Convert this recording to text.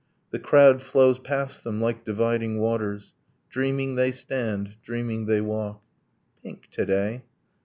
The crowd flows past them like dividing waters. Dreaming they stand, dreaming they walk. 'Pink, to day!'